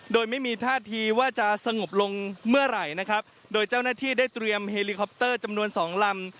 โดยไม่มีท่าทีว่าจะสงบลงเมื่อไหร่นะครับโดยเจ้าหน้าที่ได้เตรียมเฮลิคอปเตอร์จำนวนสองลำ